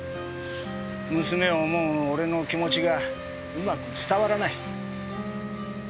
娘を思う俺の気持ちがうまく伝わらない。